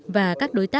và các đối tác việt nam